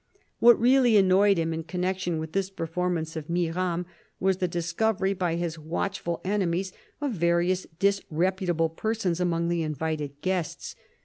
What really annoyed him in connection with this performance of Mirame was the discovery by his watchful enemies of various disre putable persons among the invited guests.